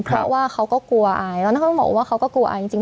เพราะว่าเขาก็กลัวไอ้แล้วนั้นเขาบอกว่าเขาก็กลัวไอ้จริงจริง